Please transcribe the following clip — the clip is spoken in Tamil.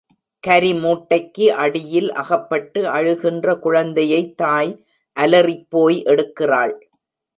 கரி மூட்டைக்கு அடியில் அகப்பட்டு அழுகின்ற குழந்தையைத் தாய் அலறிப் போய் எடுக்கிறாள்.